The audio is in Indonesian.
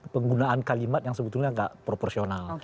penggunaan kalimat yang sebetulnya tidak proporsional